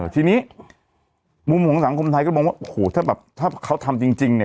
ทีนี้มุมของสังคมไทยก็มองว่าโอ้โหถ้าแบบถ้าเขาทำจริงเนี่ย